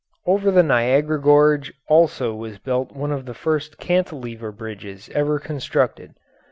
Over the Niagara gorge also was built one of the first cantilever bridges ever constructed.